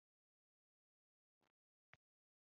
by Abanyamwuga bagize Inteko Rusange yambere